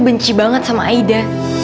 keren banget sama aida